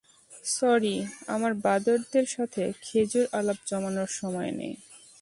Sorry, আমার বাঁদরদের সাথে খেঁজুরে আলাপ জমানোর সময় নেই।